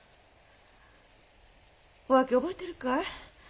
お秋覚えてるかい？